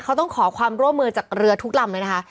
เขาต้องขอความร่วมมือจากเรือทุกลำเลยนะคะ